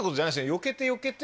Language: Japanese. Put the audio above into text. よけてよけて。